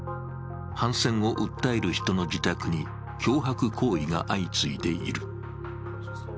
反戦を訴える人の自宅に脅迫行為が相次いでいる。